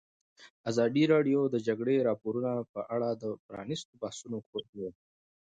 ازادي راډیو د د جګړې راپورونه په اړه د پرانیستو بحثونو کوربه وه.